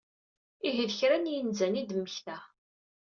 Ihi d kra n yinzan i d-mmektaɣ.